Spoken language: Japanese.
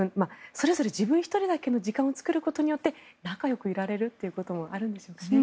それぞれ自分１人だけの時間を作ることで仲良くいられるということもあるんでしょうかね。